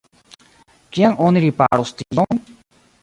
Kiam oni riparos tion?